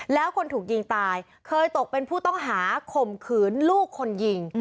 แล้วคนถูกยิงตายเคยตกเป็นผู้ต้องหาข่มขืนลูกคนยิง